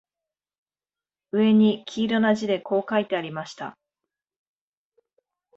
上に黄色な字でこう書いてありました